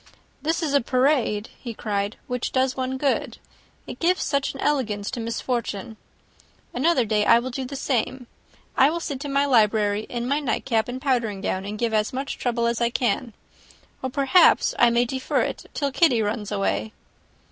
"This is a parade," cried he, "which does one good; it gives such an elegance to misfortune! Another day I will do the same; I will sit in my library, in my nightcap and powdering gown, and give as much trouble as I can, or perhaps I may defer it till Kitty runs away."